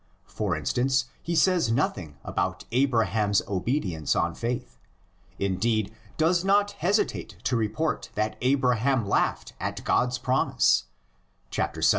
For instance, he says nothing about Abraham's obedience on faith; indeed does not hesitate to report that Abraham laughed at God's promise (xvii.